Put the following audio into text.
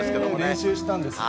練習したんですね。